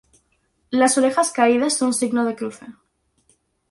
Las orejas caídas son signo de cruce.